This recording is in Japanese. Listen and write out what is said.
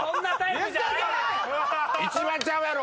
一番ちゃうやろ！